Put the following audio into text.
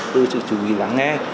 từ sự chủ nghĩ lắng nghe